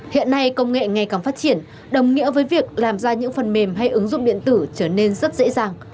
hiện nay công nghệ ngày càng phát triển đồng nghĩa với việc làm ra những phần mềm hay ứng dụng điện tử trở nên rất dễ dàng